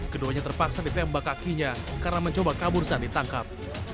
keduanya terpaksa ditembak kakinya karena mencoba kabur saat ditangkap